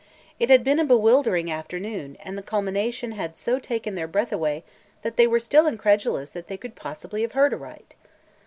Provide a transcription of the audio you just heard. It had been a bewildering afternoon and the culmination had so taken their breath away that they were still incredulous that they could possibly have heard aright.